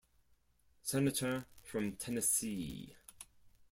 Senator from Tennessee.